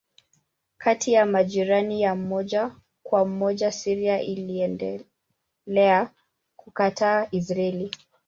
Kati ya majirani ya moja kwa moja Syria iliendelea kukataa Israeli.